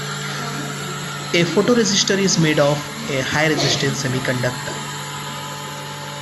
A photoresistor is made of a high resistance semiconductor.